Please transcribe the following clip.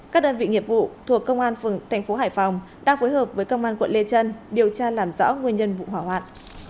các đơn vị nghiệp vụ thuộc công an tp hải phòng đang phối hợp với công an quận lê trân điều tra làm rõ nguyên nhân vụ hỏa hoạn